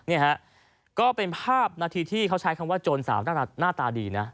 นี่ฮะก็เป็นภาพนาทีที่เขาใช้คำว่าโจรสาวหน้าตาดีนะ